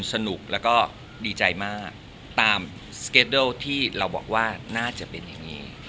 สนุกแล้วก็ดีใจมากตามที่เราบอกว่าน่าจะเป็นอย่างงี้